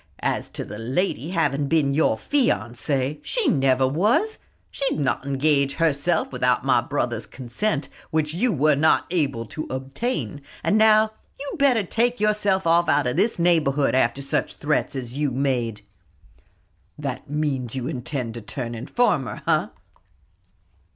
As to the lady having been your fiancée she never was; she would not engage herself without my brother's consent, which you were not able to obtain. And now you'd better take yourself off out of this neighborhood, after such threats as you've made!" "That means you intend to turn informer, eh?"